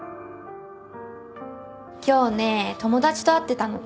今日ね友達と会ってたの。